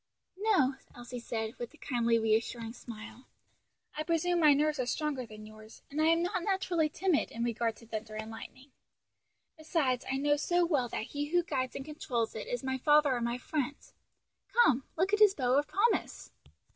"No," Elsie said, with a kindly reassuring smile, "I presume my nerves are stronger than yours, and I am not naturally timid in regard to thunder and lightning. Besides, I know so well that he who guides and controls it is my Father and my Friend. Come, look at his bow of promise."